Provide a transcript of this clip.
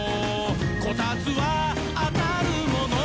「こたつはあたるもの」